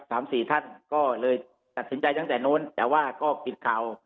สามสี่ท่านก็เลยตัดสินใจตั้งแต่นู้นแต่ว่าก็ปิดข่าว